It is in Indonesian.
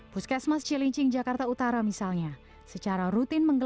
puskesmas menjadi ujung tombak perang